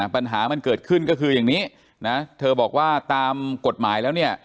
ปัญหามันเกิดขึ้นก็คืออย่างนี้นะเธอบอกว่าตามกฎหมายแล้วเนี่ย